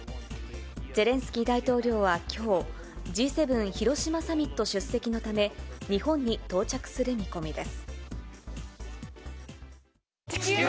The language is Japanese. ゼレンスキー大統領はきょう、Ｇ７ 広島サミット出席のため、日本に到着する見込みです。